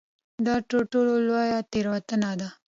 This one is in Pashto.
دا تر ټولو لویه تېروتنه ده.